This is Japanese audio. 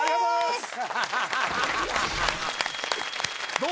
どう？